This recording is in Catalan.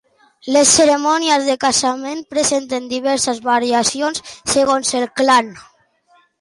Les cerimònies de casament presenten diverses variacions segons el clan.